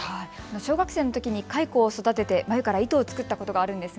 小学生のときに蚕を育てて繭から糸を作ったことがあります。